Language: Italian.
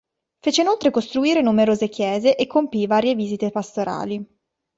Fece inoltre costruire numerose chiese e compì varie visite pastorali.